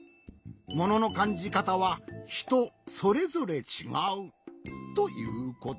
もののかんじかたはひとそれぞれちがう。ということ。